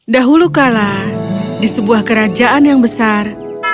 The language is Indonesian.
dahulu kala di sebuah kerajaan yang besar